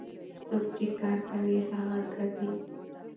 څوک چې کار کوي هغه ګټي.